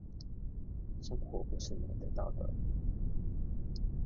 生活不是買得到的